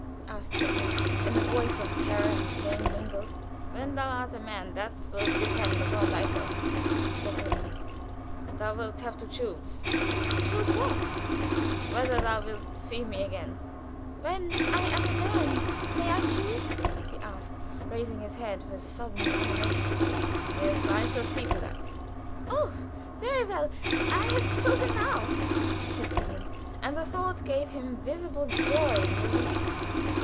asked Sigmund, in a voice of terror and pain mingled. "When thou art a man that will depend upon thyself," said Eugen. "Thou wilt have to choose." "Choose what?" "Whether thou wilt see me again." "When I am a man may I choose?" he asked, raising his head with sudden animation. "Yes; I shall see to that." "Oh, very well. I have chosen now," said Sigmund, and the thought gave him visible joy and relief.